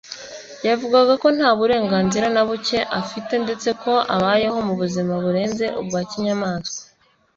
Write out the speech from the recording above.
yavugaga ko nta burenganzira na buke afite ndetse ko abayeho mu buzima burenze ubwa kinyamaswa